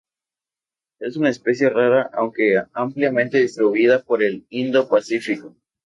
Es una especie rara, aunque ampliamente distribuida por el Indo-Pacífico.